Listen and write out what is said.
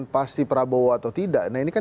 pasti prabowo atau tidak nah ini kan